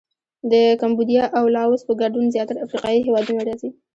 د کمبودیا او لاووس په ګډون زیاتره افریقایي هېوادونه راځي.